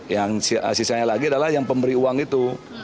yang sisanya lagi adalah yang pemberi uang itu